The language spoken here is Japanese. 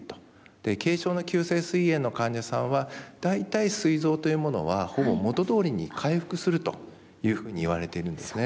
軽症の急性すい炎の患者さんは大体すい臓というものはほぼ元どおりに回復するというふうにいわれているんですね。